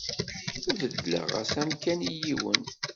Beddleɣ-as amkan i yiwen.